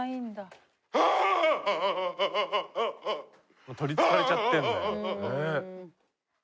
もう取りつかれちゃってんだよ。